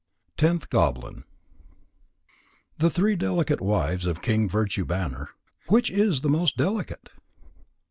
TENTH GOBLIN _The Three Delicate Wives of King Virtue banner. Which is the most delicate?